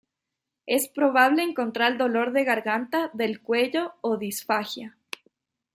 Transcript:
Es probable encontrar dolor de garganta, del cuello o disfagia.